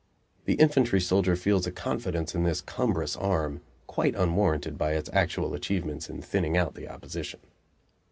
The infantry soldier feels a confidence in this cumbrous arm quite unwarranted by its actual achievements in thinning out the opposition.